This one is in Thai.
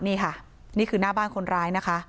นี่ค่ะนี่คือหน้าบ้านคนร้ายนะคะ